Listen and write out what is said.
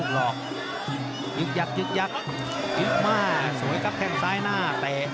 ลอกลูกยึกหยัดยึกมาสวยค่ะแข่งซ้ายหน้า